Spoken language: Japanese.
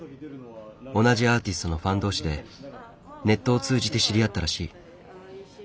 同じアーティストのファン同士でネットを通じて知り合ったらしい。